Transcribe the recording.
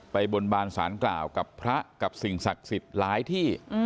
บนบานสารกล่าวกับพระกับสิ่งศักดิ์สิทธิ์หลายที่